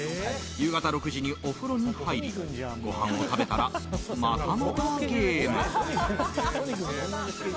夕方６時にお風呂に入りご飯を食べたら、またまたゲーム。